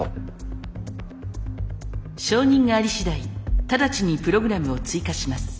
承認があり次第直ちにプログラムを追加します。